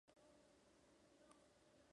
Seremos gobernados por personas como nosotros.